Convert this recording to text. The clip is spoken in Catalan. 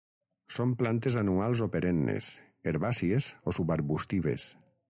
Són plantes anuals o perennes, herbàcies o subarbustives.